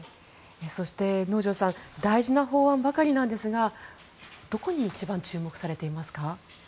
そして能條さん大事な法案ばかりなんですがどこに一番注目されていますか？